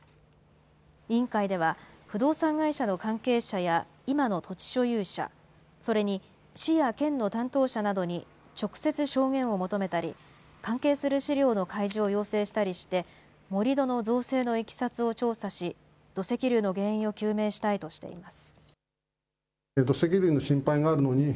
委員会では、不動産会社の関係者や今の土地所有者、それに市や県の担当者などに直接証言を求めたり、関係する資料の開示を要請したりして、盛り土の造成のいきさつを調査し、土石流の原因を究明したいとしています。